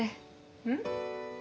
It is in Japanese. うん？